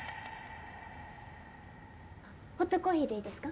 ホットコーヒーで良いですか？